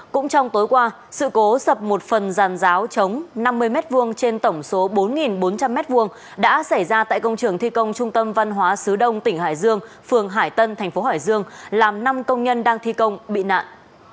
cũng trong tối qua sự cố sập một phần giàn giáo chống năm mươi m hai trên tổng số bốn bốn trăm linh m hai đã xảy ra tại công trường thi công trung tâm văn hóa sứ đông tỉnh hải dương phường hải tân thành phố hải dương làm năm công nhân đang thi công bị nạn